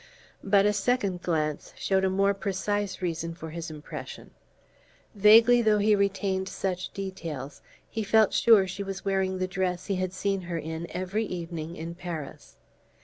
But a second glance showed a more precise reason for his impression. Vaguely though he retained such details, he felt sure she was wearing the dress he had seen her in every evening in Paris.